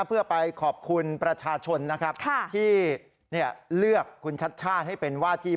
เพื่อไปขอบคุณประชาชนนะครับที่เลือกคุณชัดชาติให้เป็นว่าที่